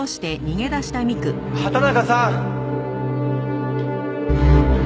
畑中さん！